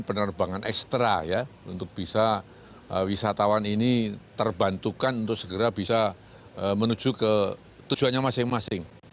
penerbangan ekstra ya untuk bisa wisatawan ini terbantukan untuk segera bisa menuju ke tujuannya masing masing